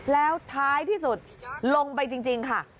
แล้วท้ายที่สุดลงไปจริงค่ะ